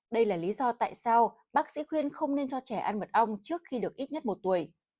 đây là lý do tại sao bác sĩ khuyên không nên cho trẻ ăn mật ong trước khi được ít nhất một tuổi